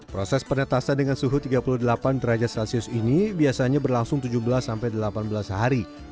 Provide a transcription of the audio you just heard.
proses penetasan dengan suhu tiga puluh delapan derajat celcius ini biasanya berlangsung tujuh belas sampai delapan belas hari